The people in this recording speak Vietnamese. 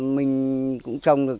mình cũng trồng được